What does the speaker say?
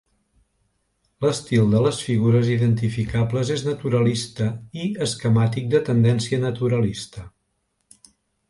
L'estil de les figures identificables és naturalista i esquemàtic de tendència naturalista.